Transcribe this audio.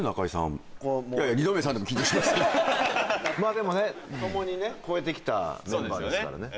まあでもね共にね超えてきたメンバーですからね